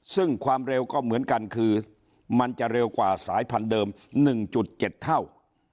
ซึ่งความเร็วก็เหมือนกันคือมันจะเร็วกว่าสายพันธุเดิม๑๗เท่า